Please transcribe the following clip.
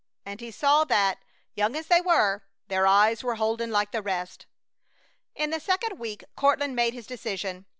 and he saw that, young as they were, their eyes were holden like the rest. In the second week Courtland made his decision.